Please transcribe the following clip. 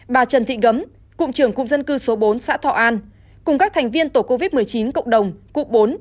bà trần thị gấm cụm trưởng cụm dân cư số bốn xã thọ an cùng các thành viên tổ covid một mươi chín cộng đồng cụm bốn